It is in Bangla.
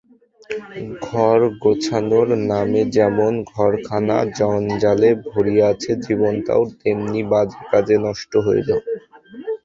ঘর গোছানোর নামে যেমন ঘরখানা জঞ্জালে ভরিয়াছে, জীবনটা তেমনি বাজে কাজে নষ্ট হইল।